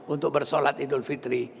untuk bersalat idul fitri